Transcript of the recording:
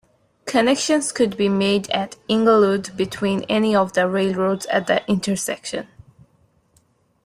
Connections could be made at Englewood between any of the railroads at that intersection.